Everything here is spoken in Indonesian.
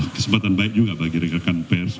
kesempatan baik juga bagi rekan rekan pers